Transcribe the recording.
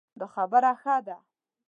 دا خبره ښه ده